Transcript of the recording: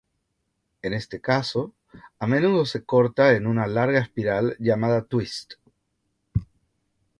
En este caso, a menudo se corta en una larga espiral llamada "twist".